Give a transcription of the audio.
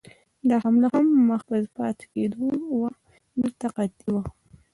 دا حمله هم مخ په پاتې کېدو وه، دلته قحطي وه.